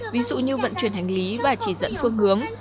ví dụ như vận chuyển hành lý và chỉ dẫn phương hướng